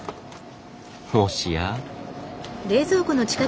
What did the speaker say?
もしや。